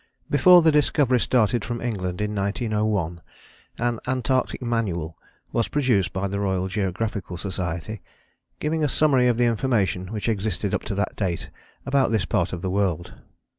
Before the Discovery started from England in 1901 an 'Antarctic Manual' was produced by the Royal Geographical Society, giving a summary of the information which existed up to that date about this part of the world.